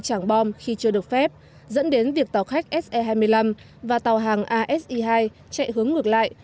trảng bom khi chưa được phép dẫn đến việc tàu khách se hai mươi năm và tàu hàng asi hai chạy hướng ngược lại